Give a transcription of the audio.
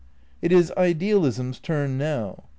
It is idealism's turn now.